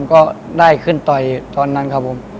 ก็ได้ขึ้นต่อยตอนนั้นครับผม